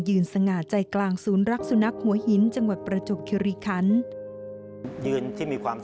สง่าใจกลางศูนย์รักสุนัขหัวหินจังหวัดประจบคิริคัน